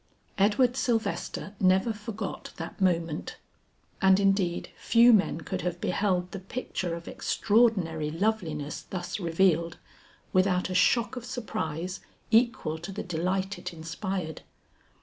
Edward Sylvester never forgot that moment, and indeed few men could have beheld the picture of extraordinary loveliness thus revealed, without a shock of surprise equal to the delight it inspired.